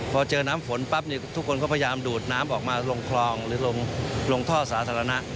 พอเจอน้ำฝนปั๊บทุกคนก็พยายามดูดน้ำออกมาลงคลองหรือลงท่อสาธารณะ